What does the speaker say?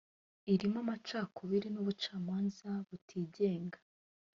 irimo amacakubiri n’ubucamanza butigenga